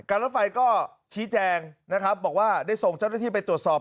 รถไฟก็ชี้แจงนะครับบอกว่าได้ส่งเจ้าหน้าที่ไปตรวจสอบ